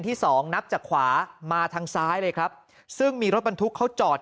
สองนับจากขวามาทางซ้ายเลยครับซึ่งมีรถบรรทุกเขาจอด